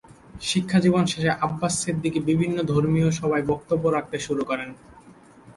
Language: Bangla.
শিক্ষা জীবন শেষে আব্বাস সিদ্দিকী বিভিন্ন ধর্মীয় সভায় বক্তব্য রাখতে শুরু করেন।